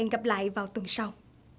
hẹn gặp lại vào tuần sau